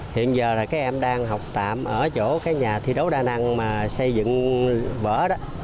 hiện giờ là các em đang học tạm ở chỗ cái nhà thi đấu đa năng mà xây dựng vở đó